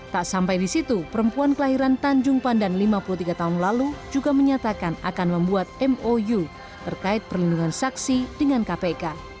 tak sampai di situ perempuan kelahiran tanjung pandan lima puluh tiga tahun lalu juga menyatakan akan membuat mou terkait perlindungan saksi dengan kpk